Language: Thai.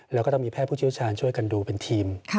แล้วก็ต้องมีแพทย์ผู้เชี่ยวชาญช่วยกันดูเป็นทีม